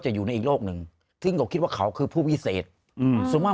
อยู่ในอีกโลกหนึ่งซึ่งก็คิดว่าเขาคือผู้พิเศษอืมส่วนมาก